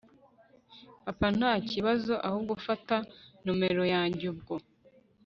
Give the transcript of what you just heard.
Papa ntakibazo ahubwo fata numero yange ubwo